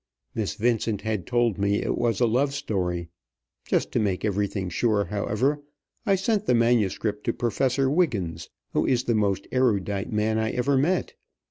Miss Vincent had told me it was a love story. Just to make everything sure, however, I sent the manuscript to Professor Wiggins, who is the most erudite man I ever met.